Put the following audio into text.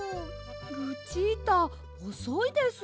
ルチータおそいです。